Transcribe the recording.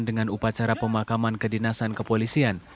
dengan upacara pemakaman kedinasan kepolisian